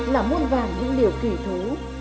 là muôn vàng những điều kỳ thú